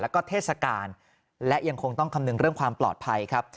แล้วก็เทศกาลและยังคงต้องคำนึงเรื่องความปลอดภัยครับ